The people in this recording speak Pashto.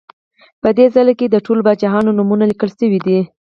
په دې څلي کې د ټولو پاچاهانو نومونه لیکل شوي دي